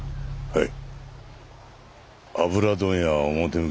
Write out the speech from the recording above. はい。